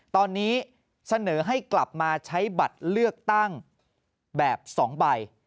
ตอนนี้เสนอให้กลับมาใช้บัตรเลือกตั้งแบบ๒ใบ